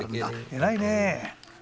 偉いね。